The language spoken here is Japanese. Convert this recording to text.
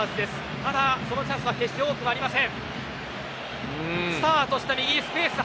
ただ、そのチャンスは決して多くありません。